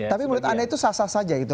tapi menurut anda itu sah sah saja itu